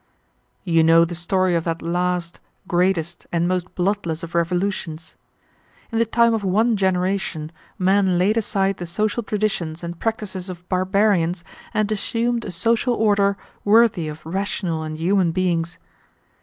"You know the story of that last, greatest, and most bloodless of revolutions. In the time of one generation men laid aside the social traditions and practices of barbarians, and assumed a social order worthy of rational and human beings.